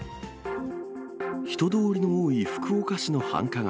人通りの多い福岡市の繁華街。